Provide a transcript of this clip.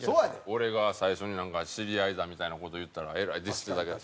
俺が最初に「知り合いだ」みたいな事言ったらえらいディスってたけど。